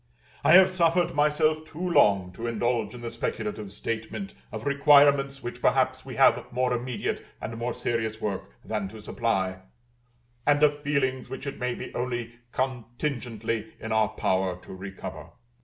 I have suffered myself too long to indulge in the speculative statement of requirements which perhaps we have more immediate and more serious work than to supply, and of feelings which it may be only contingently in our power to recover.